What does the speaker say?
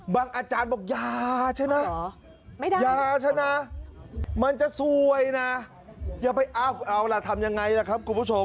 อาจารย์บอกยาใช่ไหมยาชนะมันจะซวยนะอย่าไปเอาล่ะทำยังไงล่ะครับคุณผู้ชม